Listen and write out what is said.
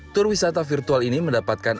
tur wisata virtual ini mendapatkan